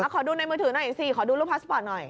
ขอดูในมือถือหน่อยสิขอดูรูปพาสปอร์ตหน่อย